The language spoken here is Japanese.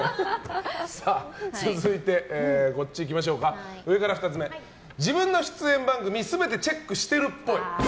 続いて、上から２つ目自分の出演番組全てチェックしてるっぽい。